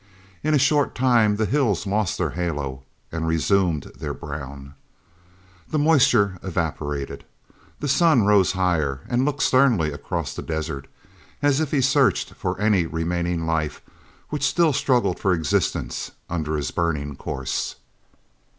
In a short time the hills lost their halo and resumed their brown. The moisture evaporated. The sun rose higher and looked sternly across the desert as if he searched for any remaining life which still struggled for existence under his burning course.